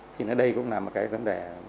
thì ở đây cũng là một vấn đề